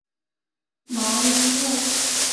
芒乌沃。